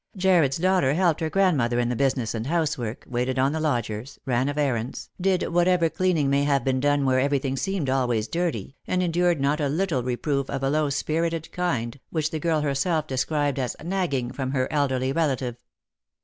Jarred's daughter helped her grandmother in the business and housework, waited on the lodgers, ran of errands, did whatever cleaning may have been done where everything seemed always dirty, and endured not a little reproof of a low spirited kind, which the girl herself described as " nagging," from her elderly relative.